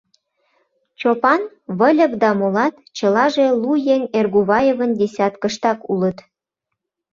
Чопан, Выльып да молат — чылаже лу еҥ — Эргуваевын десяткыштак улыт.